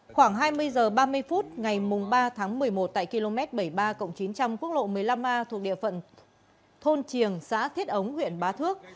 khoảng hai mươi h ba mươi phút ngày ba tháng một mươi một tại km bảy mươi ba chín trăm linh quốc lộ một mươi năm a thuộc địa phận thôn triềng xã thiết ống huyện bá thước